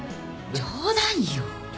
冗談よ！